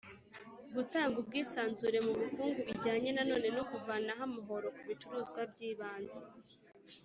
gutanga ubwisanzure mu bukungu bijyanye na none no kuvanaho amahoro ku bicuruzwa by'ibanze